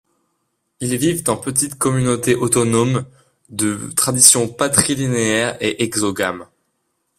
Ils vivent en petites communautés autonomes de tradition patrilinéaire et exogame.